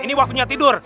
ini waktunya tidur